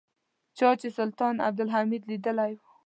چا چې سلطان عبدالحمید لیدلی و.